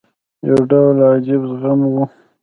یو ډول عجیب زغم وو.